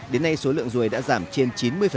đến nay số lượng ruồi đã giảm trên chín mươi